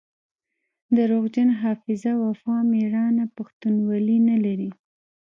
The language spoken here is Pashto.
دروغجن حافظه وفا ميړانه پښتونولي نلري